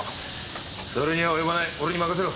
それには及ばない俺に任せろ。